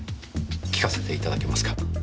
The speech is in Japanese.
聞かせていただけますか？